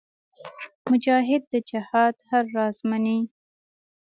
مجاهد د جهاد هر راز منې.